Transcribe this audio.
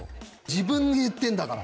自分で言ってんだから。